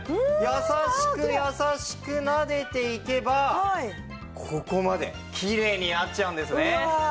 優しく優しくなでていけばここまできれいになっちゃうんですね。